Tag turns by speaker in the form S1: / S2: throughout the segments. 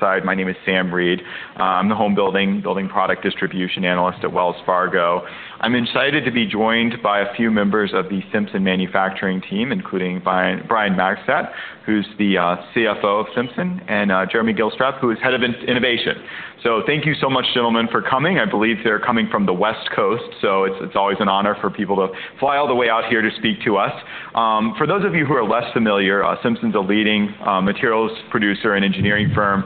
S1: My name is Sam Reid. I'm the home building and building product distribution analyst at Wells Fargo. I'm excited to be joined by a few members of the Simpson Manufacturing team, including Brian Magstadt, who's the CFO of Simpson, and Jeremy Gilstrap, who is Head of Innovation. So thank you so much, gentlemen, for coming. I believe they're coming from the West Coast, so it's always an honor for people to fly all the way out here to speak to us. For those of you who are less familiar, Simpson's a leading materials producer and engineering firm.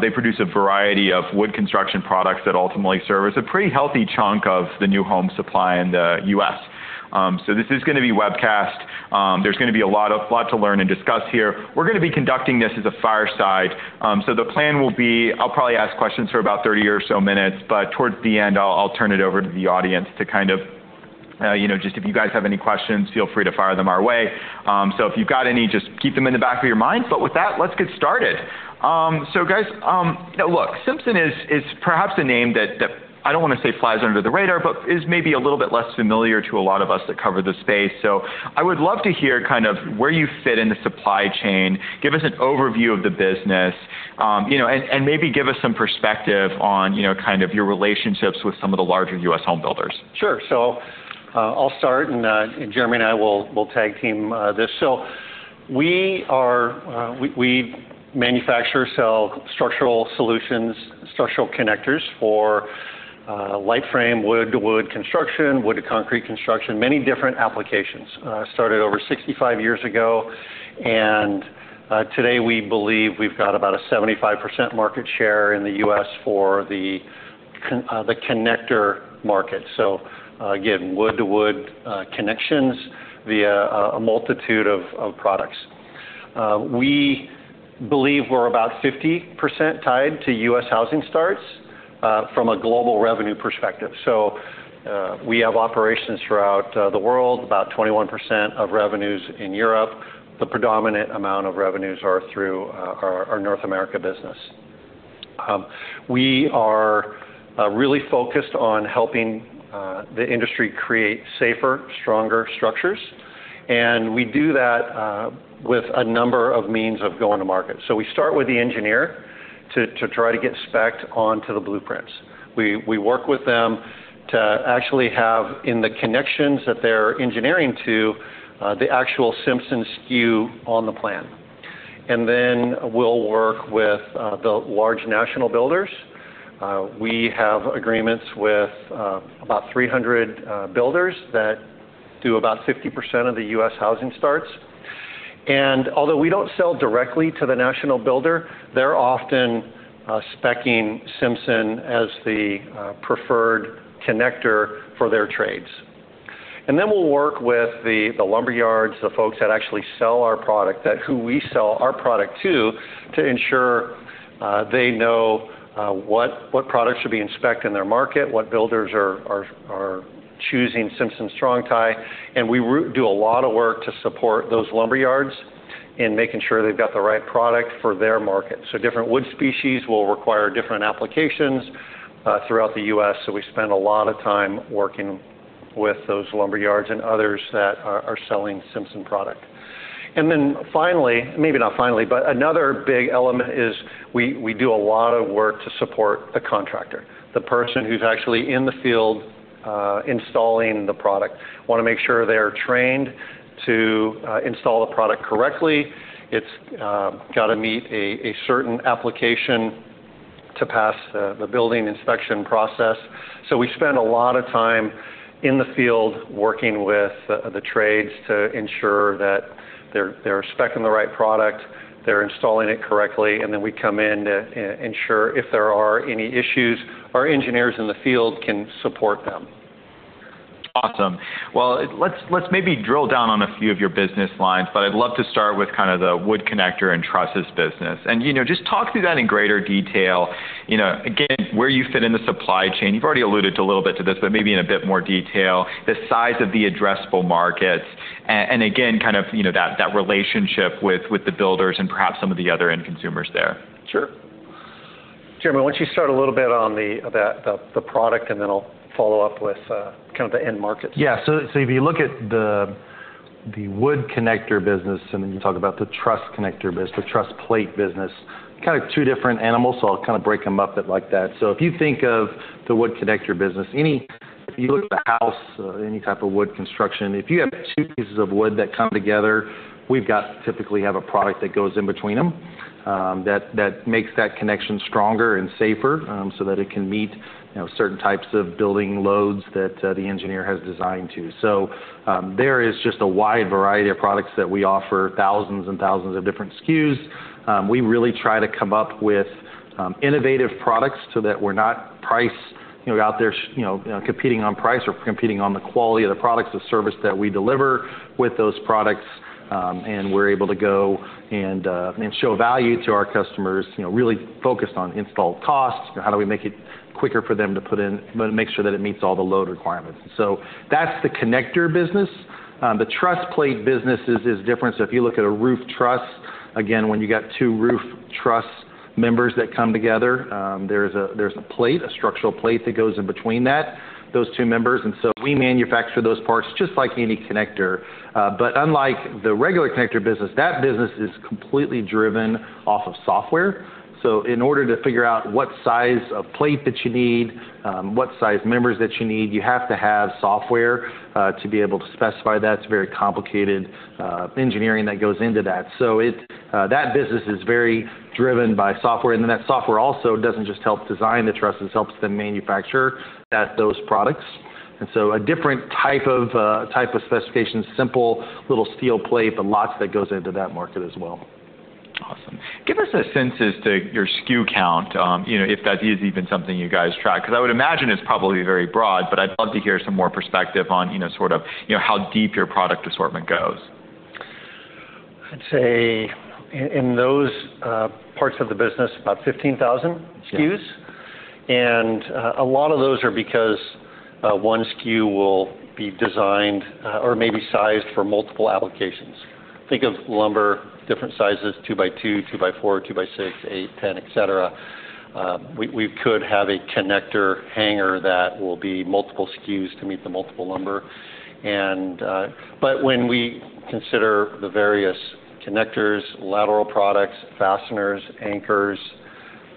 S1: They produce a variety of wood construction products that ultimately service a pretty healthy chunk of the new home supply in the U.S. So this is going to be webcast. There's going to be a lot of to learn and discuss here. We're going to be conducting this as a fireside. The plan will be I'll probably ask questions for about 30 or so minutes, but towards the end I'll turn it over to the audience to kind of, you know, just if you guys have any questions, feel free to fire them our way. If you've got any, just keep them in the back of your mind. With that, let's get started. So, guys, look, Simpson is perhaps a name that I don't want to say flies under the radar, but is maybe a little bit less familiar to a lot of us that cover the space. So I would love to hear kind of where you fit in the supply chain, give us an overview of the business and maybe give us some perspective on kind of your relationships with some of the larger U.S. home builders.
S2: Sure. So I'll start and Jeremy and I will tag team this. So we are, we manufacture, sell structural solutions, structural connectors for light frame wood, wood construction, wood concrete construction, many different applications started over 65 years ago. And today we believe we've got about a 75% market share in the U.S. for the connector market. So again, wood to wood connections via a multitude of products. We believe we're about 50% tied to U.S. housing starts from a global revenue perspective. So we have operations throughout the world, about 21% of revenues in Europe. The predominant amount of revenues are through our North America business. We are really focused on helping the industry create safer, stronger structures. And we do that with a number of means of going to market. So we start with the engineer to try to get spec'd onto the blueprints. We work with them to actually have in the connections that they're engineering to the actual Simpson SKU on the plans and then we'll work with the large national builders. We have agreements with about 300 builders that do about 50% of the U.S. housing starts. Although we don't sell directly to the national builder, they're often speccing Simpson as the preferred connector for their trades. Then we'll work with the lumberyards, the folks that actually sell our product, who we sell our product to, to ensure they know what, what products should be in stock in their market, what builders are choosing Simpson Strong-Tie. We do a lot of work to support those lumberyards in making sure they've got the right product for their market. So different wood species will require different applications throughout the U.S. So we spend a lot of time working with those lumber yards and others that are selling Simpson product. And then finally, maybe not finally, but another big element is we do a lot of work to support the contractor. The person who's actually in the field installing the product want to make sure they are trained to install the product correctly. It's got to meet a certain application to pass the building inspection process. So we spend a lot of time in the field working with the trades to ensure that they're inspecting the right product, they're installing it correctly, and then we come in ensure if there are any issues, our engineers in the field can support them.
S1: Awesome. Well, let's maybe drill down on a few of your business lines, but I'd love to start with kind of the Wood Connector and Trusses business and you know, just talk through that in greater detail. You know, again, where you fit in the supply chain. You've already alluded to a little bit to this, but maybe in a bit more detail, the size of the addressable markets and again, kind of, you know, that relationship with the builders and perhaps some of the other end consumers there.
S2: Sure. Jeremy, why don't you start a little bit on the product and then I'll follow up with kind of the end market. Yeah.
S3: So if you look at the Wood Connector business and you talk about the Truss Connector business, the Truss Plate business, kind of two different animals. So I'll kind of break them up like that. So if you think of the Wood Connector business, and you look at the house, any type of wood construction, if. You have two pieces of wood that. Come together, we've got typically have a product that goes in between them that makes that connection stronger and safer so that it can meet certain types of building loads that the engineer has designed to. So there is just a wide variety of products that we offer thousands and thousands of different SKUs. We really try to come up with innovative products so that we're not price out there competing on price or competing on the quality of the products of service that we deliver with those products, and we're able to go and show value to our customers. You know, really focused on install costs. How do we make it quicker for them to put in, make sure that it meets all the load requirements? So that's the connector business. The Truss Plate business is different. So if you look at a roof truss, again, when you got two roof truss members that come together, there's a plate, a structural plate that goes in between those two members. And so we manufacture those parts just like any connector. But unlike the regular connector business, that business is completely driven off of software. So in order to figure out what size of plate that you need, what size members that you need, you have to have software to be able to specify that. It's very complicated engineering that goes into that. So that business is very driven by software. And then that software also doesn't just help design the trusses, helps them manufacture those products. And so a different type of specification, simple little steel plate, but lots that goes into that market as well.
S1: Well, awesome. Give us a sense as to your SKU count, you know, if that is even something you guys track. Because I would imagine it's probably very broad, but I'd love to hear some more perspective on, you know, sort of, you know, how deep your product assortment goes.
S2: I'd say in those parts of the business, about 15,000 SKUs. A lot of those are because one SKU will be designed or maybe sized for multiple applications. Think of lumber, different sizes, 2 in x 2 in, 2 in x 4 in, 2 in x 6 in, 8 in, 10 in, et cetera. We could have a connector hanger that will be multiple SKUs to meet the multiple lumber. But when we consider the various connectors, lateral products, fasteners, anchors,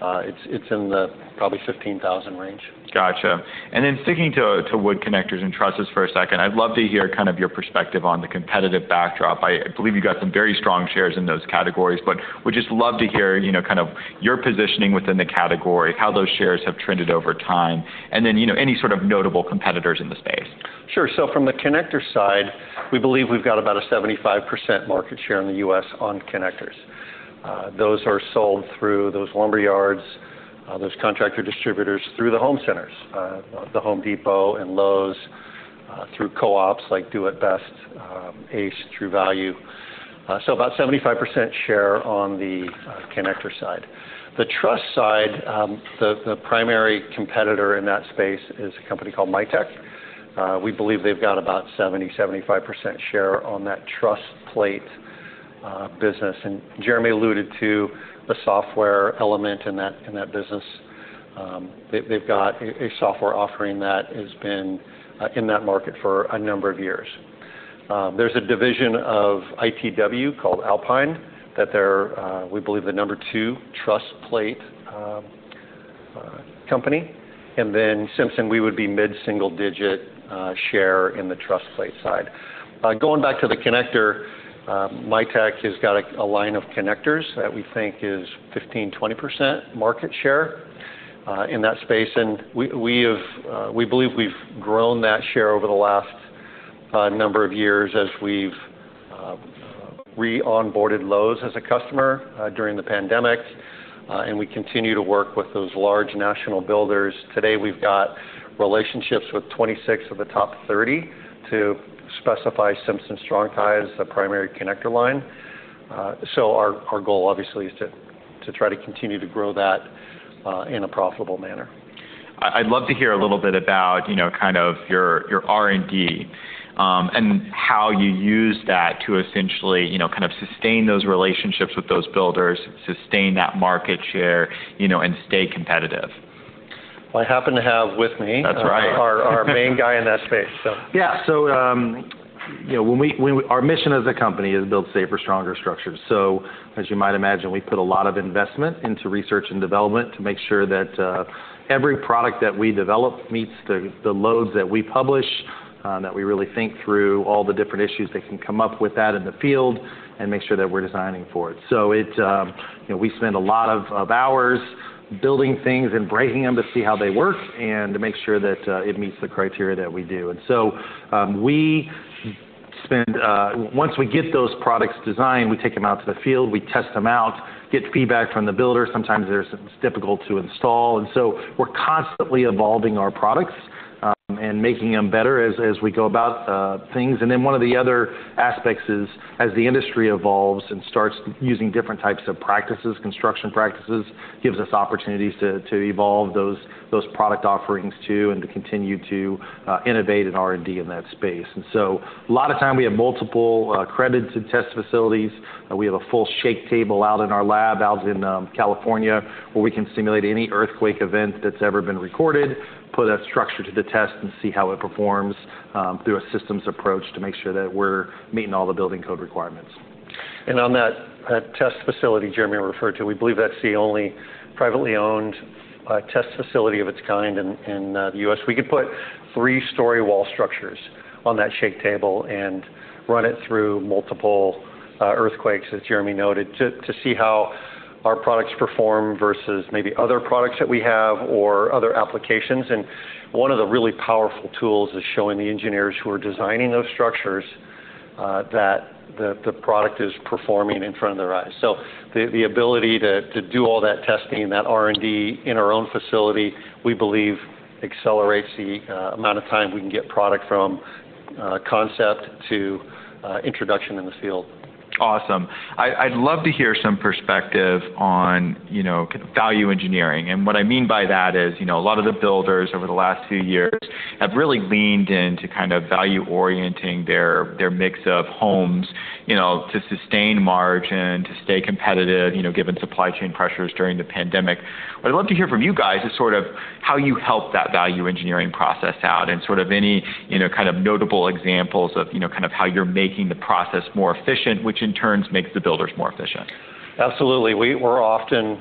S2: it's in the probably 15,000 range.
S1: Gotcha. And then sticking to Wood Connectors and Trusses for a second, I'd love to hear kind of your perspective on the competitive backdrop. I believe you've got some very strong shares in those categories. But we'd just love to hear, you know, kind of your positioning within the category, how those shares have trended over time, and then, you know, any sort of notable competitors in the space.
S2: Sure. So from the connector side, we believe we've got about a 75% market share in the U.S. on connectors. Those are sold through those lumberyards, those contractor distributors through the home centers, The Home Depot and Lowe's through co-ops like Do it Best, Ace, True Value. So about 75% share on the connector side, the Truss side. The primary competitor in that space is a company called MiTek. We believe they've got about 70%-75% share on that Truss Plate business. And Jeremy alluded to the software element in that, in that business they've got a software offering that has been in that market for a number of years. There's a division of ITW called Alpine that they're, we believe, the number two truss plate company. And then Simpson, we would be mid-single digit share in the Truss Plate side. Going back to the connector. MiTek has got a line of connectors that we think is 15%-20% market share in that space. And we have, we believe we've grown that share over the last number of years as we've re-onboarded Lowe's as a customer during the pandemic. And we continue to work with those large national builders. Today we've got relationships with 26 of the top 30 to specify Simpson Strong-Tie as the primary connector line. So our goal obviously is to, to try to continue to grow that in a profitable manner.
S1: I'd love to hear a little bit about, you know, kind of your, your R&D and how you use that to essentially, you know, kind of sustain those relationships with those builders, sustain that market share, you know, and stay competitive.
S2: I happen to have with me. That's right, our main guy in that space. Yeah.
S3: So, you know, when we, our mission as a company is build safer, stronger structures. So as you might imagine, we put a lot of investment into research and development to make sure that every product that we develop meets the loads that we publish, that we really think through all the different issues that can come up with that in the field and make sure that we're designing for it. So we spend a lot of hours building things and breaking them to see how they work and to make sure that it meets the criteria that we do. Once we get those products designed, we take them out to the field, we test them out, get feedback from the builder. Sometimes they're difficult to install. And so we're constantly evolving our products and making them better as we go about things. And then one of the other aspects is as the industry evolves and starts using different types of practices, construction practices gives us opportunities to evolve those product offerings too and to continue to innovate in R&D in that space. So a lot of time we have multiple accredited test facilities. We have a full shake table out in our lab out in California where we can simulate any earthquake event that's ever been recorded, put a structure to the test, and see how it performs through a systems approach to make sure that we're meeting all the building code requirements.
S2: On that test facility Jeremy referred to, we believe that's the only privately owned test facility of its kind in the U.S., we could put three-story wall structures on that shake table and run it through multiple earthquakes, as Jeremy noted, to see how our products perform versus maybe other products that we have or other applications. One of the really powerful tools is showing the engineers who are designing those structures that the product is performing in front of their eyes. The ability to do all that testing, that R&D in our own facility, we believe accelerates the amount of time we can get product from concept to introduction in the field.
S1: Awesome. I'd love to hear some perspective on, you know, value engineering. What I mean by that is, you know, a lot of the builders over the last few years have really leaned into kind of value orienting their mix of homes, you know, to sustain margin, to stay competitive, you know, given supply chain pressures during the pandemic. What I'd love to hear from you guys is sort of how you help that value engineering process out and sort of any, you know, kind of notable examples of, you know, kind of how you're making the process more efficient, which in turn makes the builders more efficient.
S2: Absolutely. We're often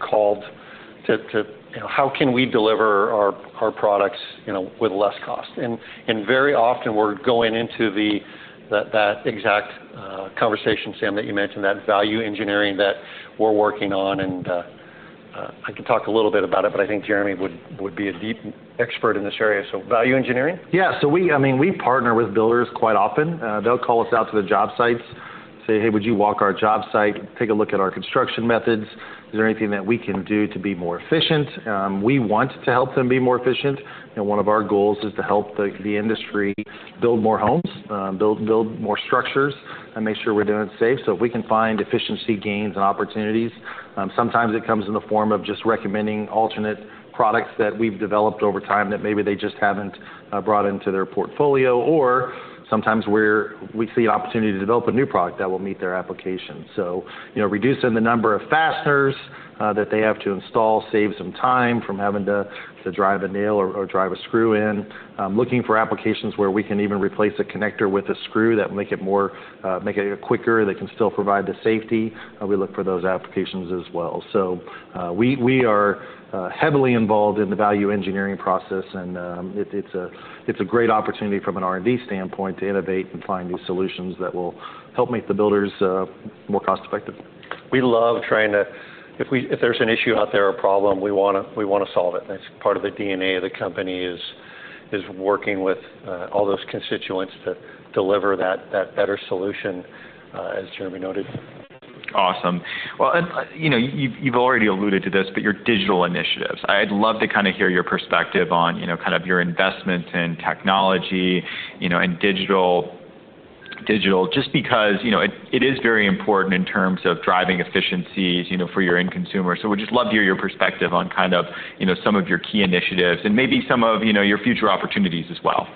S2: called to how can we deliver our products, you know, with less cost? And very often we're going into that exact conversation, Sam, that you mentioned, that value engineering that we're working on. And I could talk a little bit about it, but I think Jeremy would be a deep expert in this area. So. Value engineering. Yeah.
S3: So we, I mean, we partner with builders quite often. They'll call us out to the job sites, say, hey, would you walk our job site, take a look at our construction methods? Is there anything that we can do to be more efficient? We want to help them be more efficient. And one of our goals is to help the industry build more homes, build more structures, and make sure we're doing it safe. So if we can find efficiency gains and opportunities, sometimes it comes in the form of just recommending alternate products that we've developed over time that maybe they just haven't brought into their portfolio. Or sometimes we see an opportunity to develop a new product that will meet their application. So, you know, reducing the number of fasteners that they have to install saves some time from having to drive a nail or drive a screw in, looking for applications where we can even replace a connector with a screw that make it more, make it quicker, that can still provide the safety. We look for those applications as well. So we are heavily involved in the value engineering process and it's a great opportunity from an R&D standpoint to innovate and find these solutions that will help make the builders more cost effective.
S2: We love trying to, if there's an issue out there, a problem, we want to solve it. That's part of the DNA of the company, is working with all those constituents to help deliver that, that better solution, as Jeremy noted.
S1: Awesome. Well, you know, you've already alluded to. your digital initiatives, I'd love to kind of hear your perspective on, you know, kind of your investment in technology, you know, and digital just because, you know, it is very important in terms of driving efficiencies, you know, for your end consumer. So we'd just love to hear your perspective on kind of, you know, some of your key initiatives and maybe some of your future opportunities as well.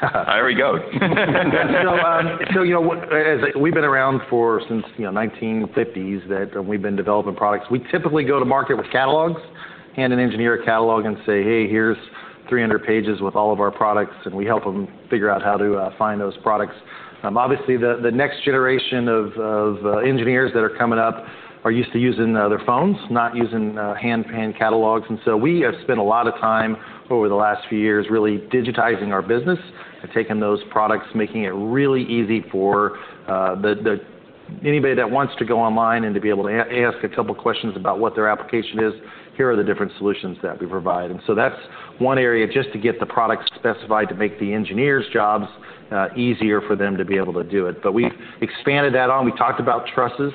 S1: There we go.
S3: So, you know, we've been around for, since, you know, 1950s that we've been developing products. We typically go to market with catalogs, hand an engineer a catalog and say, hey, here's 300 pages with all of our products and we help them figure out how to find those products. Obviously the next generation of engineers that are coming up are used to using their phones, not using handheld catalogs. And so we have spent a lot of time over the last few years really digitizing our business and taking those products, making it really easy for anybody that wants to go online and to be able to ask a couple questions about what their application is. Here are the different solutions that we provide. And so that's one area just to get the products specified to make the engineers' jobs easier for them to be. Able to do it. But we've expanded that on. We talked about trusses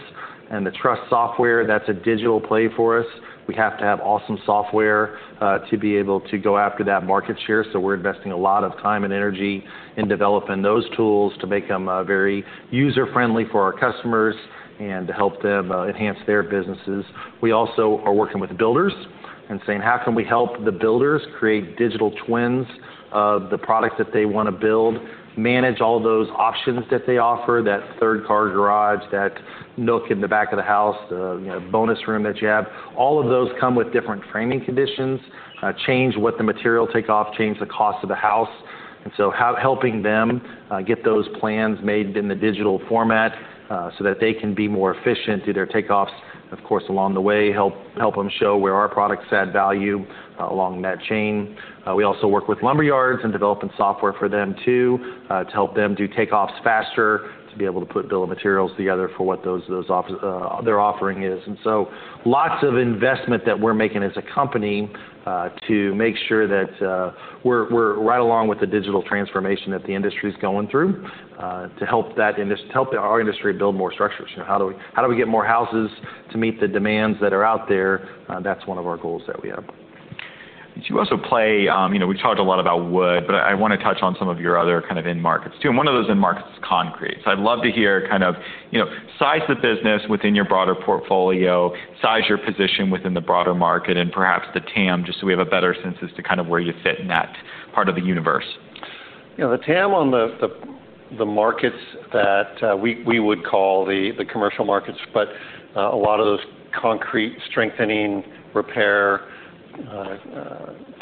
S3: and the truss software. That's a digital play for us. We have to have awesome software to be able to go after that market share. So we're investing a lot of time and energy in developing those tools to make them very user friendly for our customers and to help them enhance their businesses. We also are working with builders and saying, how can we help the builders create digital twins of the product that they want to build, manage all those options that they offer, that third car garage, that nook in the back of the house, bonus room that you have. All of those come with different framing conditions, change what the material take off, change the cost of the house. Helping them get those plans made in the digital format so that they can be more efficient, do their takeoffs, of course, along the way, help them show where our products add value along that chain. We also work with lumberyards and developing software for them too to help them do takeoffs faster to be able to put bill of materials together for what their offering is. Lots of investment that we're making as a company to make sure that we're right along with the digital transformation that the industry is going through to help that industry, help our industry build more structures. How do we get more houses to meet the demands that are out there? That's one of our goals that we have.
S1: You also play, you know, we've talked a lot about wood, but I want to touch on some of your other kind of end markets too. And one of those end markets is concrete. So I'd love to hear kind of, you know, size the business within your broader portfolio size your position within the broader market, and perhaps the TAM, just so we have a better sense as to kind of where you fit in that part of the universe.
S2: You know, the TAM on the markets that we would call the commercial markets. But a lot of those concrete strengthening, repair,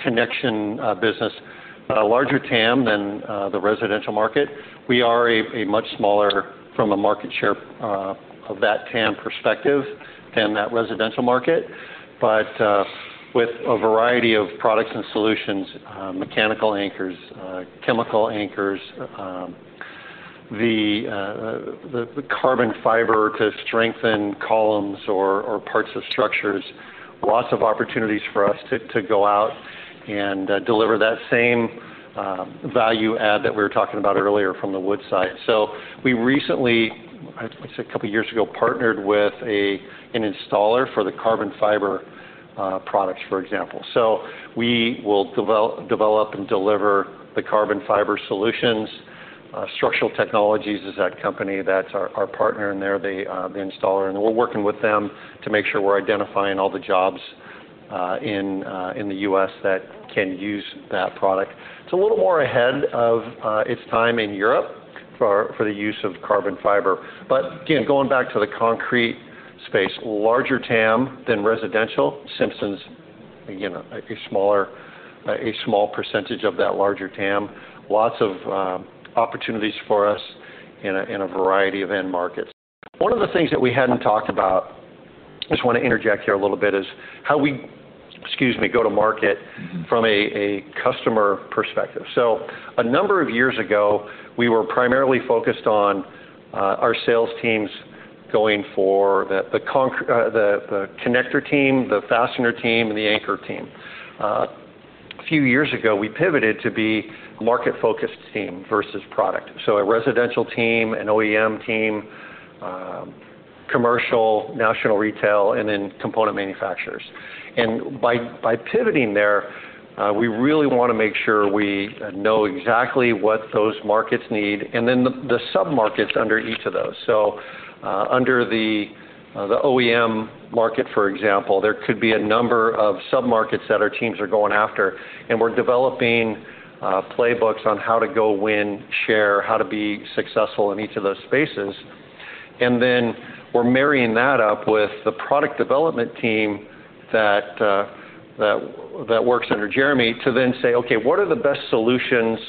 S2: connection business, larger TAM than the residential market. We are a much smaller from a market share of that TAM perspective than that residential market, but with a variety of products and solutions. Mechanical anchors, chemical anchors, the carbon fiber to strengthen columns or parts of structures. Lots of opportunities for us to go out and deliver that same value add that we were talking about earlier from the wood side. So we recently, a couple years ago, partnered with an installer for the carbon fiber products, for example. So we will develop and deliver the carbon fiber solutions. Structural Technologies is that company that's our partner, and they're the installer. We're working with them to make sure we're identifying all the jobs in the U.S. that can use that product. It's a little more ahead of its time in Europe for the use of carbon fiber, but again, going back to the concrete space, larger TAM than residential Simpson's, you know, a smaller, a small percentage of that larger TAM. Lots of opportunities for us in a variety of end markets. One of the things that we hadn't talked about, I just want to interject here a little bit is how we, excuse me, go to market from a customer perspective. So a number of years ago, we were primarily focused on our sales teams going forward, the connector team, the fastener team and the anchor team. A few years ago we pivoted to be market focused team versus product. So a residential team, an OEM team, commercial, national, retail, and then component manufacturers. And by pivoting there, we really want to make sure we know exactly what those markets need and then the submarkets under each of those. So under the OEM market, for example, there could be a number of submarkets that our teams are going after and we're developing playbooks on how to go win share, how to be successful in each of those spaces. And then we're marrying that up with the product development team that works under Jeremy to then say, okay, what are the best solutions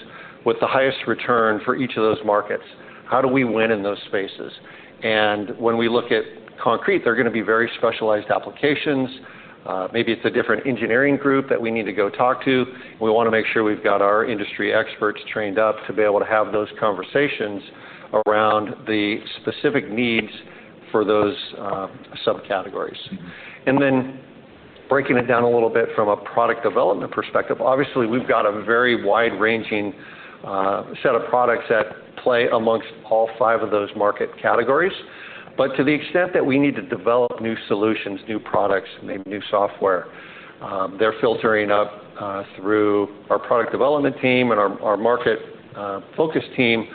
S2: with the highest return for each of those markets? How do we win in those spaces? And when we look at concrete, they're going to be very specialized applications. Maybe it's a different engineering group that we need to go talk to. We want to make sure we've got our industry experts trained up to be able to have those conversations around the specific needs for those subcategories. And then breaking it down a little bit from a product development perspective, obviously we've got a very wide ranging set of products at play amongst all five of those market categories. But to the extent that we need to develop new solutions, new products, maybe new software, they're filtering up through our product development team and our market focus team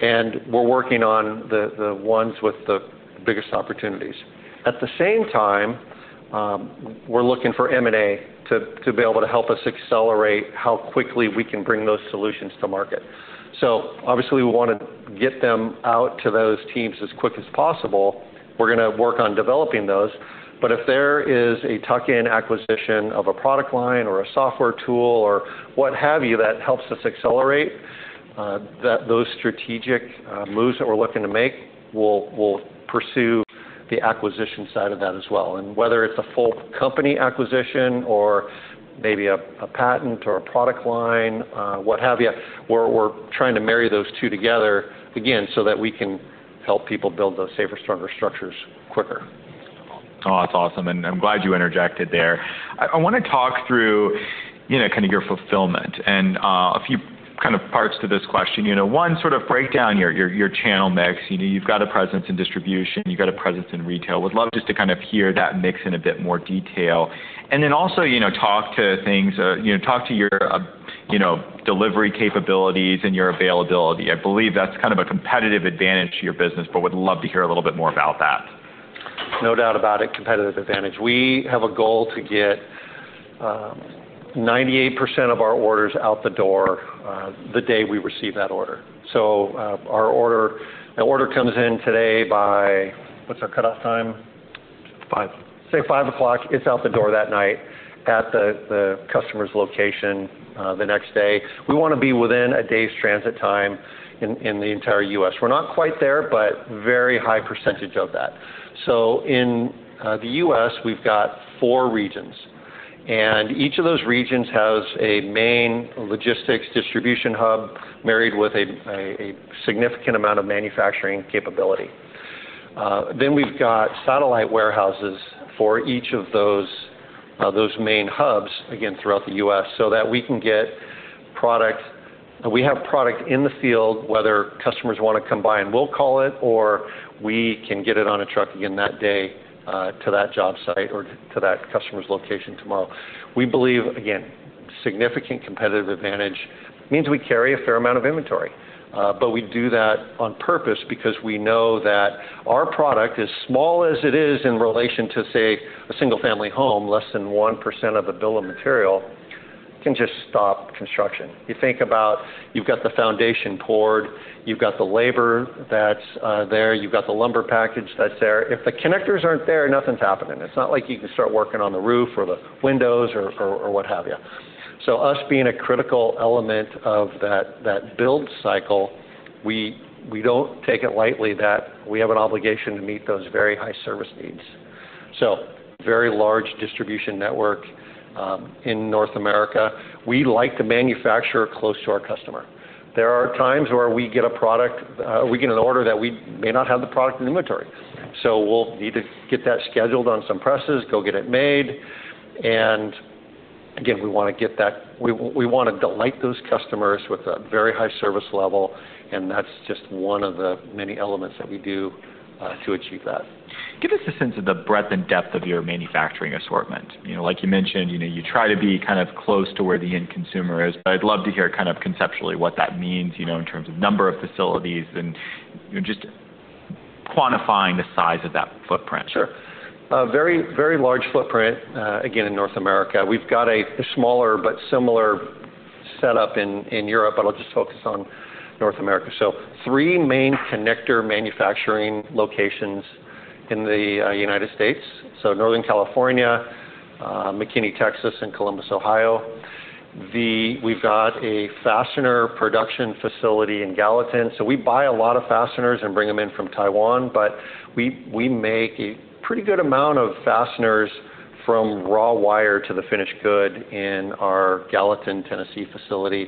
S2: and we're working on the ones with the biggest opportunities. At the same time, we're looking for material to be able to help us accelerate how quickly we can bring those solutions to market. So obviously we want to get them out to those teams as quick as possible. We're going to work on developing those. But if there is a tuck in acquisition of a product line or a software tool or what have you that helps us accelerate those strategic moves that we're looking to make will pursue the acquisition side of that as well. And whether it's a full company acquisition or maybe a patent or a product line, what have you, we're trying to marry those two together again so that we can help people build those safer, stronger structures quicker.
S1: That's awesome, and I'm glad you interjected there. I want to talk through, you know, kind of your fulfillment and a few kind of parts to this question. You know, one sort of breakdown, your channel mix. You know, you've got a presence in distribution, you got a presence in retail. Would love just to kind of hear that mix in a bit more detail. And then also you know, talk to things, you know, talk to your, you know, delivery capabilities and your availability. I believe that's kind of a competitive advantage to your business, but would love to hear a little bit more about that.
S3: No doubt about it. Competitive advantage. We have a goal to get 98% of our orders out the door the day we receive that order. So our order order comes in today by what's our cutoff time? 5:00 P.M., say 5:00 P.M. It's out the door that night at the customer's location. The next day, we want to be within a day's transit time. In the entire U.S. we're not quite there, but very high percentage of that. So in the U.S. we've got four regions, and each of those regions has a main logistics distribution hub married with a significant amount of manufacturing capability. Then we've got satellite warehouses for each of those main hubs, again throughout the U.S., so that we can get product. We have product in the field, whether customers want to come by and we'll call it, or we can get it on a truck again that day to that job site or to that customer's location tomorrow. We believe, again, significant competitive advantage means we carry a fair amount of inventory, but we do that on purpose because we know that our product, as small as it is in relation to, say, a single family home, less than 1% of a bill of material can just stop construction. You think about, you've got the foundation poured, you've got the labor that's there, you've got the lumber package that's there. If the connectors aren't there, nothing's happening. And it's not like you can start working on the roof or the windows or what have you. So, us being a critical element of that build cycle, we don't take it lightly that we have an obligation to meet those very high service needs. So, very large distribution network in North America, we like to manufacture close to our customer. There are times where we get a product, we get an order that we may not have the product in inventory. So, we'll need to get that scheduled on some presses. Go get it made. And again, we want to get that. We want to delight those customers with a very high service level. And that's just one of the many elements that we do to achieve that.
S1: Give us a sense of the breadth. Depth of your manufacturing assortment. You know, like you mentioned, you know, you try to be kind of close to where the end consumer is. I'd love to hear kind of conceptually what that means, you know, in terms of number of facilities. You're just quantifying the size of that footprint.
S2: Sure. Very, very large footprint again in North America. We've got a smaller but similar setup in Europe, but I'll just focus on North America. So three main connector manufacturing locations in the United States, so Northern California, McKinney, Texas and Columbus, Ohio. We've got a fastener production facility in Gallatin. So we buy a lot of fasteners and bring them in from Taiwan. But we make a pretty good amount of fasteners from raw wire to the finished good in our Gallatin, Tennessee facility.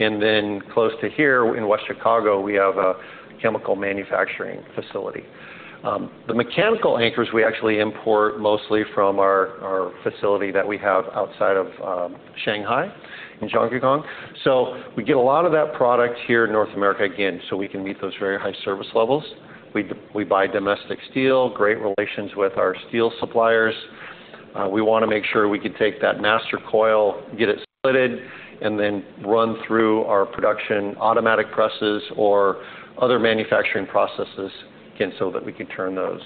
S2: And then close to here in West Chicago, we have a chemical manufacturing facility. The mechanical anchors we actually import mostly from our facility that we have outside of Shanghai in Chongqing. So we get a lot of that product here in North America again so we can meet those very high service levels. We buy domestic steel, great relations with our steel suppliers. We want to make sure we can take that master coil, get it split, and then run through our production automatic presses or other manufacturing processes so that we can turn those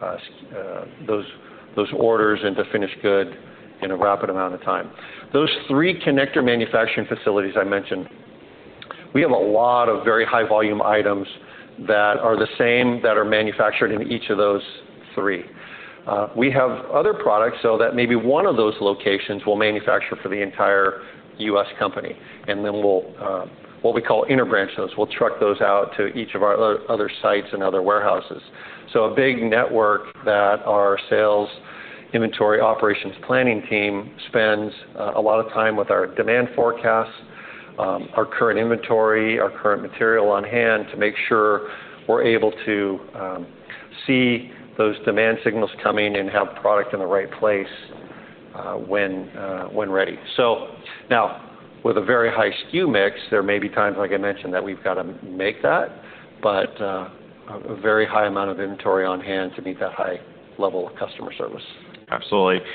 S2: SKUs, those orders into finished goods in a rapid amount of time. Those three connector manufacturing facilities I mentioned, we have a lot of very high volume items that are the same that are manufactured in each of those three. We have other products so that maybe one of those locations will manufacture for the entire U.S. company. And then we'll what we call interbranch. Those will truck those out to each of our other sites and other warehouses. So, a big network that our sales inventory operations planning team spends a lot of time with our demand forecasts, our current inventory, our current material on hand to make sure we're able to see those demand signals coming and have product in the right place when ready. So now with a very high SKU mix, there may be times, like I mentioned, that we've got to make that but a very high amount of inventory on hand to meet that high level of customer service.
S1: Absolutely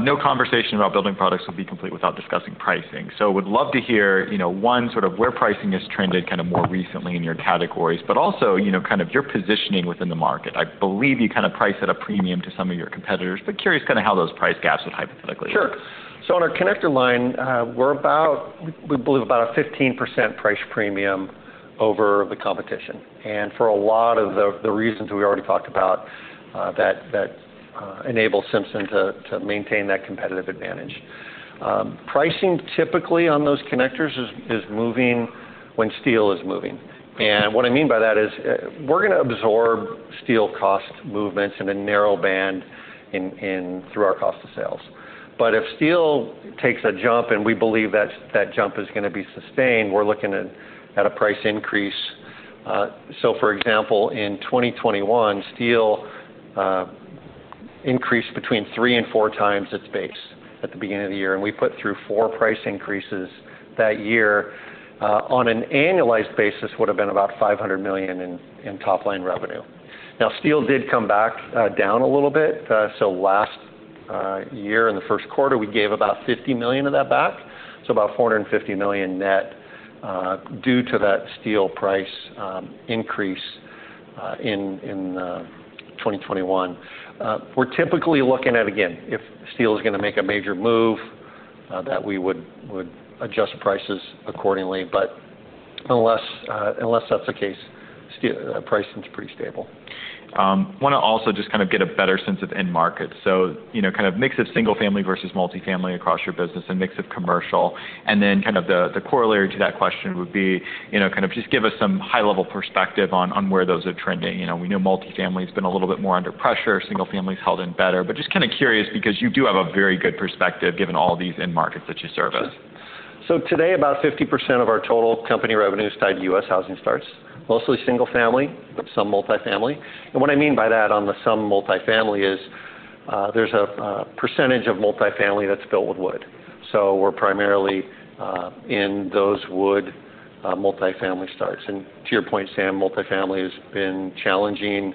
S1: no conversation about building products would be complete without discussing pricing. So we'd love to hear one sort of where pricing has trended kind of more recently in your categories, but also kind of your positioning within the market. I believe you kind of price at a premium to some of your competitors, but curious kind of how those price gaps would hypothetically?
S2: Sure. So on our connector line we're about, we believe about a 15% price premium over the competition and for a lot of the reasons we already talked about that enable Simpson to maintain that competitive advantage. Pricing typically on those connectors is moving when steel is moving. And what I mean by that is we're going to absorb steel cost movements in a narrow band in through our cost of sales. But if steel takes a jump and we believe that that jump is going to be sustained, we're looking at a price increase. So for example, in 2021, steel increased between 3 and 4 times its base at the beginning of the year. And we put through 4 price increases that year on an annualized basis would have been about $500 million in top line revenue. Now steel did come back down a little bit. Last year in the first quarter we gave about $50 million of that back. About $450 million net due to that steel price increase in 2021. We're typically looking at again, if steel is going to make a major move that we would adjust prices accordingly. But unless that's the case, pricing is pretty stable.
S1: Want to also just kind of get a better sense of end market. So you know, kind of mix of single family versus multifamily across your business and mix of commercial. And then kind of the corollary to that question would be, you know, kind of just give us some high level perspective on where those are trending. You know, we know multifamily has been a little bit more under pressure, single families held in better. But just kind of curious because you do have a very good perspective given all these end markets that you serve us.
S2: So today about 50% of our total company revenue is tied to U.S. housing starts mostly single family, but some multifamily. And what I mean by that on the sum multifamily is there's a percentage of multifamily that's built with wood. So we're primarily in those wood multifamily starts. And to your point Sam, multifamily has been challenging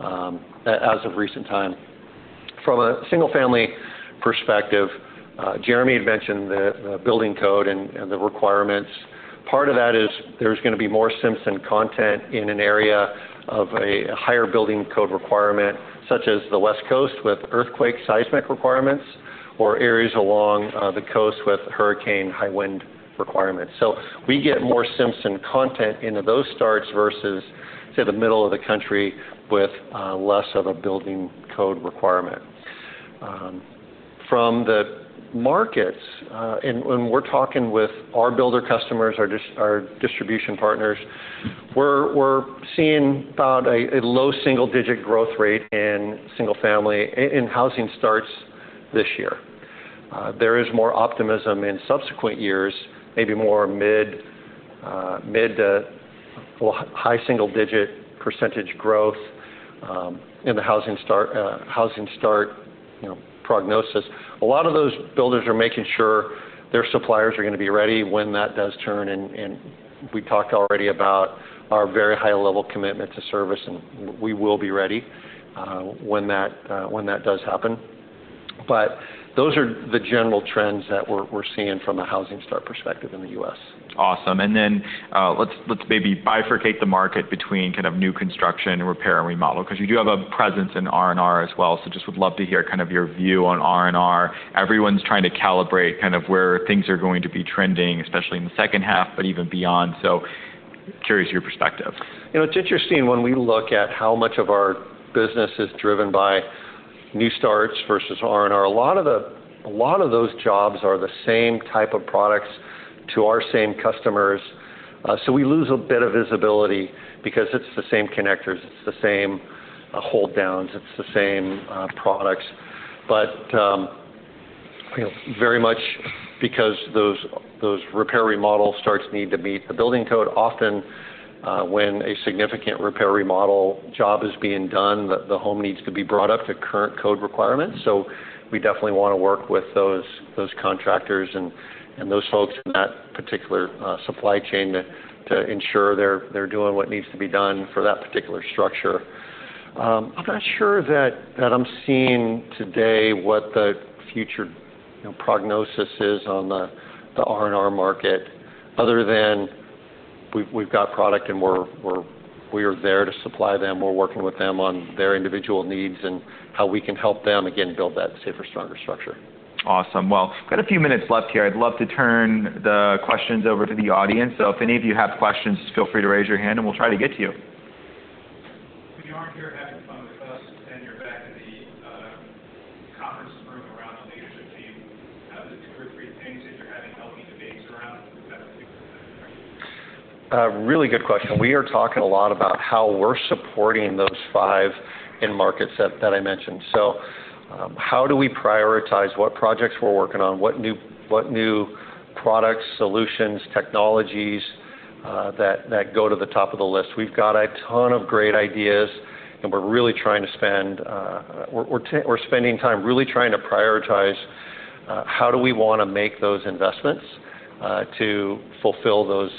S2: as of recent time from a single family perspective. Jeremy had mentioned the building code and the requirements. Part of that is there's going to be more Simpson content in an area of a higher building code requirement such as the West Coast with earthquake seismic requirements or areas along the coast with hurricane high wind requirements. So we get more Simpson content into those starts versus say the middle of the country with less of a building code requirement from the markets. When we're talking with our builder customers, our distribution partners, we're seeing about a low-single-digit growth rate in single-family housing starts this year. There is more optimism in subsequent years, maybe more mid- to high-single-digit percentage growth in the housing starts prognosis. A lot of those builders are making sure their suppliers are going to be ready when that does turn. And we talked already about our very high level commitment to service and we will be ready when that does happen. But those are the general trends that we're seeing from a housing starts perspective in the U.S.
S1: Awesome. Then let's maybe bifurcate the market between kind of new construction, repair and remodel because you do have a presence in R&R as well. So just would love to hear kind of your view on R&R. Everyone's trying to calibrate kind of where things are going to be trending, especially in the second half. But even beyond, so curious your perspective.
S2: You know, it's interesting when we look at how much of our business is driven by new starts versus R&R. A lot of those jobs are the same type of products to our same customers. So we lose a bit of visibility because it's the same connectors, it's the same hold downs, it's the same products, but very much because those, those repair remodel starts need to meet the building code. Often when a significant repair remodel job is being done, the home needs to be brought up to current code requirements. So we definitely want to work with those contractors and those folks in that particular supply chain to ensure they're doing what needs to be done for that particular structure. I'm not sure that I'm seeing today what the future prognosis is on the R&R market other than we've got product and we are there to supply them. We're working with them on their individual needs and how we can help them again build that safer, stronger structure.
S1: Awesome. Well, got a few minutes left here. I'd love to turn the questions over to the audience. So if any of you have questions, feel free to raise your hand and. We'll try to get to you.
S4: Conference room around the leadership team. Two or three things that you're having healthy debates around.
S2: Really good question. We are talking a lot about how we're supporting those five end markets that I mentioned. So how do we prioritize what projects we're working on, what new products, solutions, technologies that go to the top of the list? We've got a ton of great ideas and we're really trying to spend, we're spending time really trying to prioritize how do we want to make those investments to fulfill those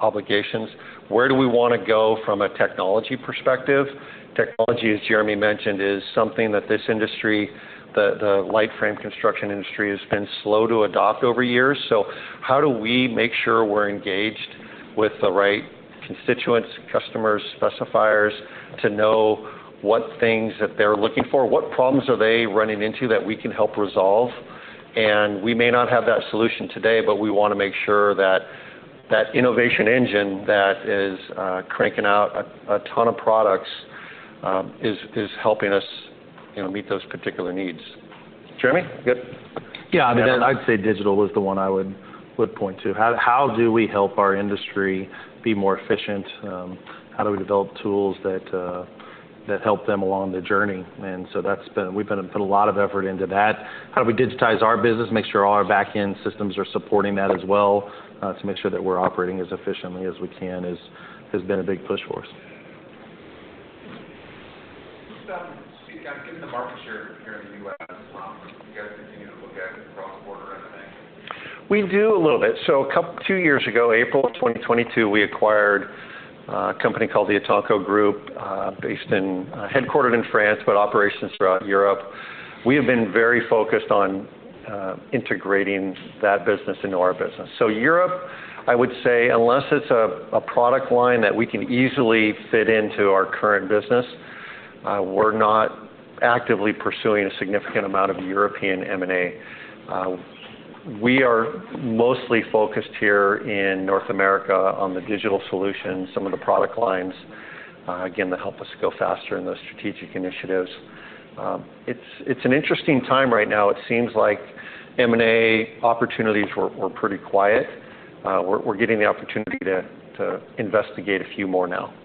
S2: obligations? Where do we want to go from a technology perspective? Technology, as Jeremy mentioned, is something that this industry, the light frame construction industry, has been slow to adopt over years. So how do we make sure we're engaged with the right constituents, customers, specifiers to know what things that they're looking for, what problems are they running into that we can help resolve? We may not have that solution today, but we want to make sure that that innovation engine that is cranking out a ton of products is helping us meet those particular needs. Jeremy, good.
S3: Yeah, I'd say digital was the one I would point to. How do we help our industry be more efficient? How do we develop tools that help them along the journey? And so that's been; we've put a lot of effort into that. How do we digitize our business, make. Sure, all our back-end systems are. Supporting that as well. To make sure that we're operating as efficiently as we can has been a. Big push for us.
S2: We do a little bit. So a couple two years ago, April 2022, we acquired a company called the Etanco Group, based in, headquartered in France, but operations throughout Europe. We have been very focused on integrating that business into our business. So Europe, I would say unless it's a product line that we can easily fit into our current business, we're not actively pursuing a significant amount of European M&A. We are mostly focused here in North America on the digital solutions. Some of the product lines again that help us go faster in those strategic initiatives. It's an interesting time right now. It seems like M&A opportunities were pretty quiet. We're getting the opportunity to, to investigate a few more now.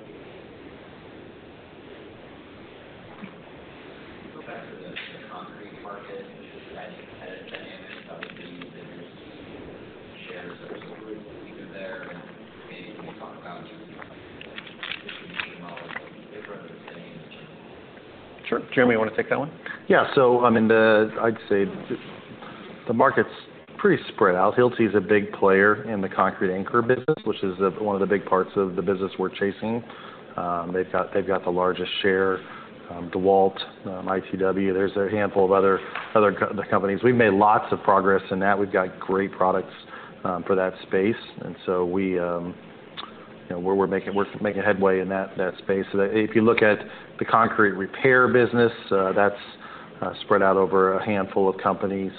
S2: Sure. Jeremy, you want to take that one?
S3: Yeah. So I mean, I'd say the market's pretty spread out. Hilti is a big player in the concrete anchor business, which is one of the big parts of the business we're chasing. They've got the largest share. DEWALT, ITW, there's a handful of other companies. We've made lots of progress in that. We've got great products for that space, and so we're making headway in that space. If you look at the concrete repair business, that's spread out over a handful of companies.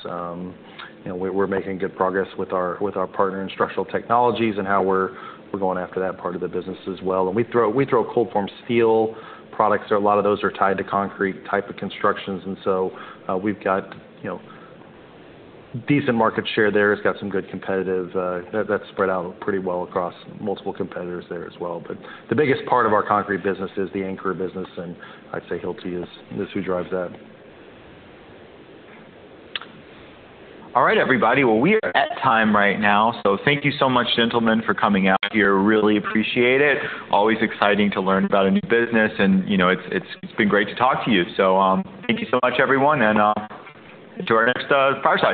S3: We're making good progress with our partner, Structural Technologies, and how we're going after that part of the business as well. And we throw cold-formed steel products, a lot of those are tied to concrete type of constructions. And so we've got decent market share there. It's got some good competitive that's spread out pretty well across multiple competitors there as well. The biggest part of our concrete business is the anchor business. I'd say Hilti is who drives that.
S1: All right, everybody. Well, we are at time right now, so thank you so much, gentlemen, for coming out here. Really appreciate it. Always exciting to learn about a new business, and it's been great to talk to you. So thank you so much, everyone. To our next fireside.